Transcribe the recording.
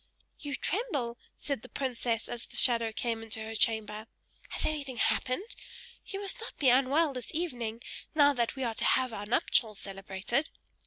"You tremble!" said the princess, as the shadow came into her chamber. "Has anything happened? You must not be unwell this evening, now that we are to have our nuptials celebrated."